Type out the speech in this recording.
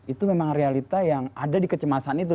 itu memang realita yang ada di kecemasan itu